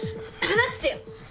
離してよ。